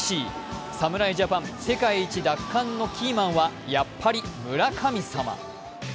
侍ジャパン世界一奪還のキーマンはやっぱり村神様。